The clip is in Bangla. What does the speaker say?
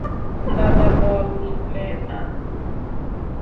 দাদা বললে, না।